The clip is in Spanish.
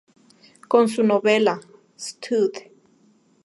Con su novela "Stud.